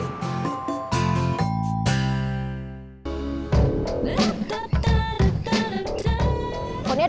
kamu mau kerja di sini